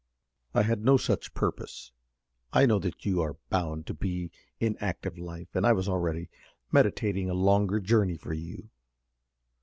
"I had no such purpose. I know that you are bound to be in active life, and I was already meditating a longer journey for you.